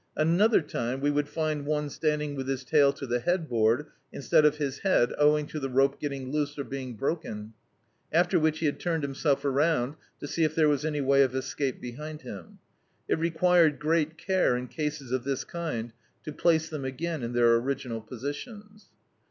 Another time we would find cme standing with his tail to the head board, instead of his head, owing to the rope getting loose, or being broken; after which he had turned himself aroimd to see if there was any way of escape behind him. It required great care, in cases of this kind, to place them again in their original positions.